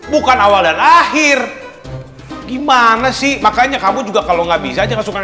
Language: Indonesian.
bukan awal dan akhir gimana sih maka kamu juga kalau nggak bisa cek temen coba blot